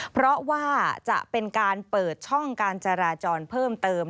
เพราะว่าจะเป็นการเปิดช่องการจราจรเพิ่มเติม